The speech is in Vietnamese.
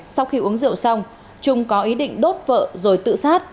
sau khi uống rượu xong trung có ý định đốt vợ rồi tự sát